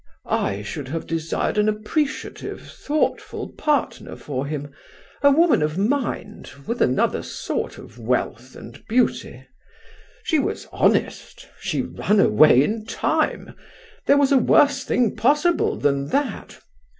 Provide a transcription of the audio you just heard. I should have desired an appreciative thoughtful partner for him, a woman of mind, with another sort of wealth and beauty. She was honest, she ran away in time; there was a worse thing possible than that.